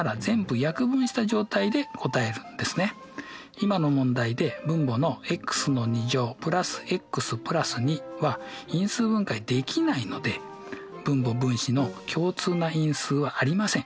今の問題で分母のｘ＋ｘ＋２は因数分解できないので分母分子の共通な因数はありません。